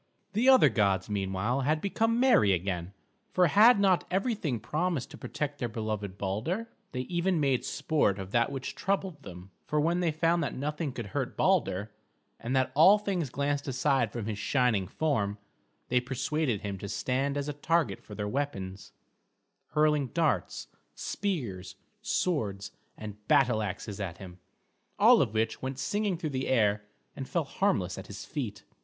The other gods meanwhile had become merry again; for had not everything promised to protect their beloved Balder? They even made sport of that which troubled them, for when they found that nothing could hurt Balder, and that all things glanced aside from his shining form, they persuaded him to stand as a target for their weapons; hurling darts, spears, swords, and battle axes at him, all of which went singing through the air and fell harmless at his feet.